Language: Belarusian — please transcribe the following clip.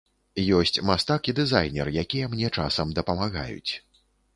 Ёсць мастак і дызайнер, якія мне часам дапамагаюць.